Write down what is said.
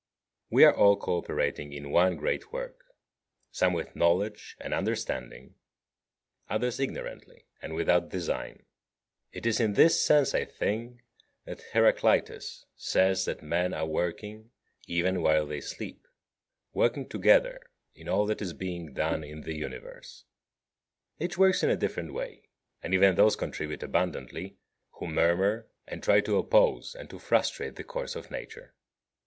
42. We are all co operating in one great work, some with knowledge and understanding, others ignorantly and without design. It is in this sense, I think, that Heraclitus says that men are working even while they sleep, working together in all that is being done in the Universe. Each works in a different way; and even those contribute abundantly who murmur and try to oppose and to frustrate the course of nature.